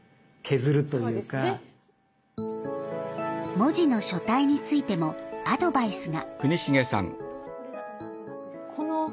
文字の書体についてもアドバイスが。